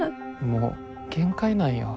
もう限界なんよ。